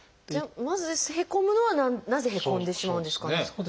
じゃあまずへこむのはなぜへこんでしまうんですかね？